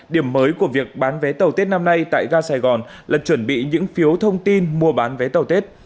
điểm mới của việc bán vé tàu tết năm nay tại ga sài gòn là chuẩn bị những phiếu thông tin mua bán vé tàu tết